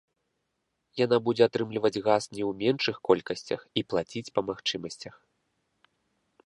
Яна будзе атрымліваць газ не ў меншых колькасцях і плаціць па магчымасцях.